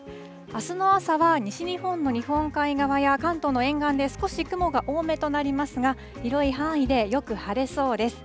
あすの朝は西日本の日本海側や関東の沿岸で少し雲が多めとなりますが、広い範囲でよく晴れそうです。